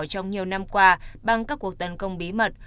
trong nhiều năm qua bằng các cuộc tấn công bí mật